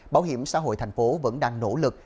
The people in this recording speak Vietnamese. bảo hiểm xã hội thành phố vẫn đang nỗ lực